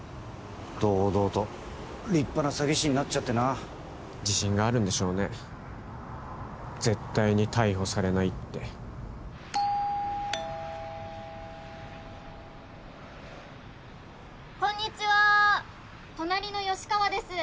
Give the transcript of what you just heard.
堂々と立派な詐欺師になっちゃってな自信があるんでしょうね絶対に逮捕されないってこんにちは隣の吉川です